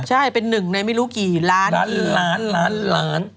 ใช่เป็นหนึ่งในไม่รู้กี่ล้านล้านล้านล้านล้าน